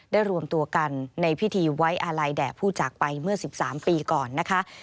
รวมตัวกันในพิธีไว้อาลัยแด่ผู้จากไปเมื่อ๑๓ปีก่อนนะคะ